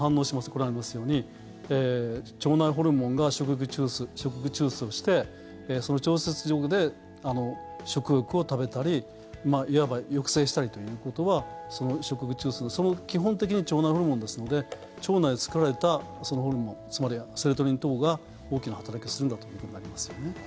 ここにもありますように腸内ホルモンが食欲中枢を、して、その調節上で食欲を食べたりいわば抑制したりということは食欲中枢基本的に腸内ホルモンですので腸内で作られたホルモンつまりセロトニン等が大きな働きをするんだということになりますよね。